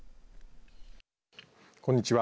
こんにちは。